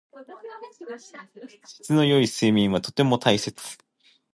質の良い睡眠はとても大切。